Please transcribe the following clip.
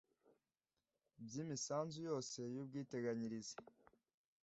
by imisanzu yose y ubwiteganyirize